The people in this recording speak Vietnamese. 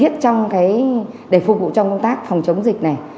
trong để phục vụ trong công tác phòng chống dịch này